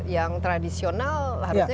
yang tradisional harusnya